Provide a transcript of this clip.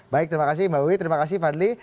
baik terima kasih mbak wiwi terima kasih fadli